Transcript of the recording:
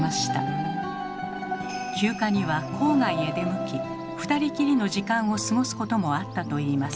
休暇には郊外へ出向き２人きりの時間を過ごすこともあったといいます。